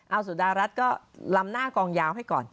เอาสุดารัฐก็ลำหน้ากองยาวให้ก่อน